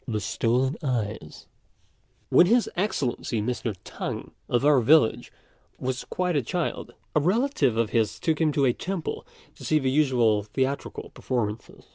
THE STOLEN EYES. When His Excellency Mr. T'ang, of our village, was quite a child, a relative of his took him to a temple to see the usual theatrical performances.